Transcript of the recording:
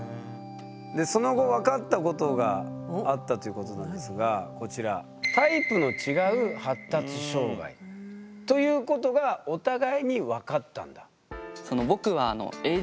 その後わかったことがあったということなんですがこちらということがお互いにわかったんだ？